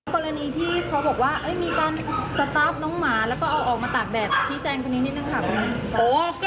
กรณีที่เขาบอกว่ามีการสตาฟน้องหมาแล้วออกมาตากแบบชี้แจงแค่นี้นิดนึงครับ